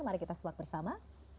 mari kita sepak bersama